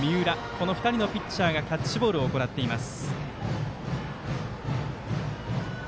この２人のピッチャーがキャッチボールを行っています。